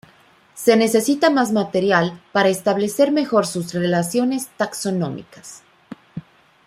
Se necesita más material para establecer mejor sus relaciones taxonómicas.